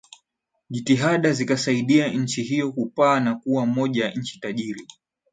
Jitihada zikasaidia nchi hiyo kupaa na kuwa moja ya nchi tajiri